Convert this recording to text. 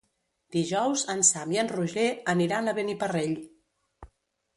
Dijous en Sam i en Roger aniran a Beniparrell.